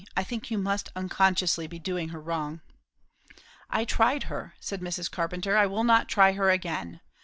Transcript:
"I think you must unconsciously be doing her wrong." "I tried her," said Mrs. Carpenter. "I will not try her again.